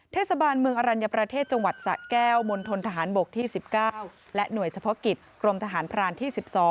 เทศบาลเมืองอรัญญประเทศจังหวัดสะแก้วมณฑนทหารบกที่๑๙และหน่วยเฉพาะกิจกรมทหารพรานที่๑๒